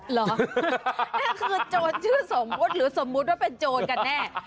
นี่คือโจรชื่อสมมุติหรือสมมุติว่าเป็นโจรกันแน่